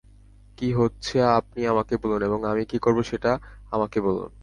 কী হচ্ছে আপনি আমাকে বলুন, এবং আমি কী করব, সেটা আমাকে বলুন।